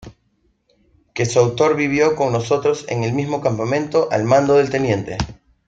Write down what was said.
Que su autor vivió con nosotros en el mismo campamento al mando del Tte.